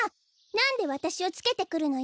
なんでわたしをつけてくるのよ！